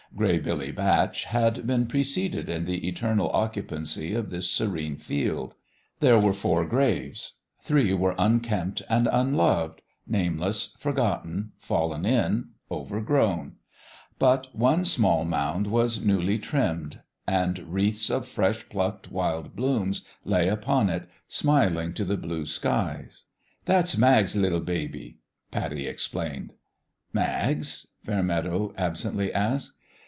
Gray Billy Batch had been preceded in the eternal occu pancy of this serene field. There were four graves. Three were unkempt and unloved nameless, forgotten, fallen in, overgrown. But one small mound was newly trimmed ; and wreaths of fresh plucked wild blooms lay upon it, smiling to the blue sky. "That's Mag's liT baby," Pattie explained. " Mag's ?" Fairmeadow absently asked.